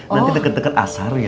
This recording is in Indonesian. nanti deket deket asar biasanya